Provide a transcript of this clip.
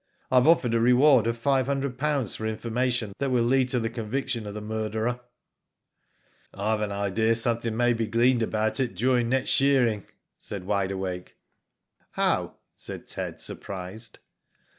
" I have offered a reward of five hundred pounds for information that will lead to the. conviction of the murderer." " I have an idea something may be gleaned about it during next shearing," said Wide Awake. Hovv?" said Ted, surprised.